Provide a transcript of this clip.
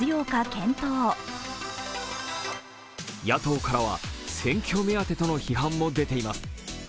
野党からは選挙目当てとの批判も出ています。